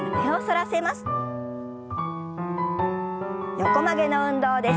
横曲げの運動です。